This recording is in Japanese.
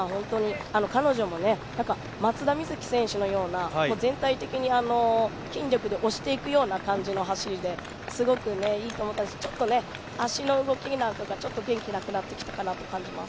彼女も松田瑞生選手のような、全体的に筋力で押していくような感じの走りですごくいいと思うしちょっとね、足の動きなんかがちょっと元気なくなってきたかなという感じがします。